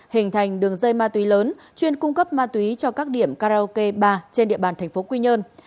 hình thành đường dây ma túy lớn chuyên cung cấp ma túy cho các điểm karaoke bar trên địa bàn tp quy nhơn